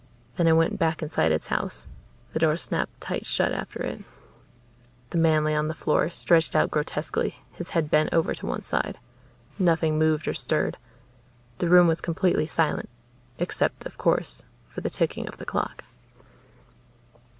Then it went back inside its house. The door snapped tight shut after it. The man lay on the floor, stretched out grotesquely, his head bent over to one side. Nothing moved or stirred. The room was completely silent, except, of course, for the ticking of the clock.